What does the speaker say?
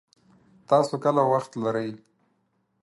تاسو کله وخت لري